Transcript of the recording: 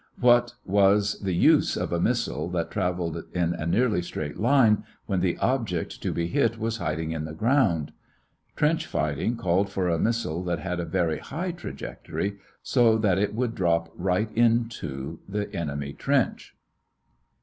What was the use of a missile that traveled in a nearly straight line, when the object to be hit was hiding in the ground? Trench fighting called for a missile that had a very high trajectory, so that it would drop right into the enemy trench.